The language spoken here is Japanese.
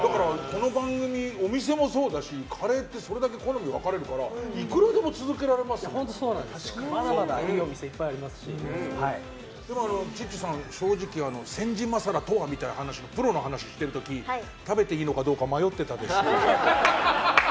お店もそうだしカレーってそれだけ好みが分かれるからまだまだいろんなお店がでもチッチさん、正直煎じマサラとはみたいなプロの話をしている時食べていいのかどうか迷ってたでしょ。